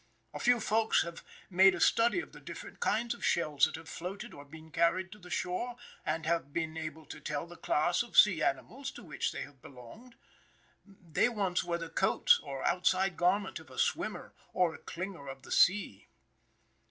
A few Folks have made a study of the different kinds of shells that have floated or been carried to the shore, and have been able to tell the class of sea animals to which they have belonged. They once were the coats or outside garment of a swimmer or a clinger of the sea.